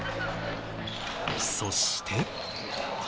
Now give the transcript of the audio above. そして。